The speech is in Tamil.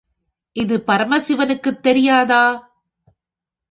இது பரமசிவனுக்குத் தெரியாதா?